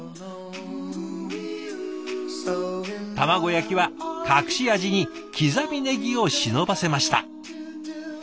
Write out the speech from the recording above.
卵焼きは隠し味に刻みねぎを忍ばせました。